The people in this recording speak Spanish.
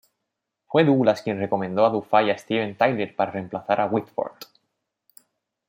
Fue Douglas quien recomendó a Dufay a Steven Tyler para reemplazar a Whitford.